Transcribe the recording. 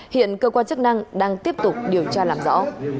hiện cơ quan chức năng đang tiếp tục điều tra làm rõ